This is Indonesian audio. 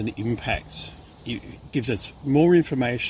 ini memberikan kita lebih banyak informasi